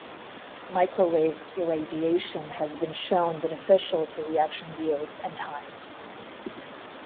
Microwave irradiation has been shown beneficial to reaction yields and times.